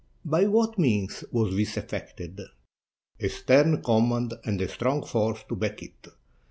*'By what means was this effected?" "A stern command and a strong force to back it.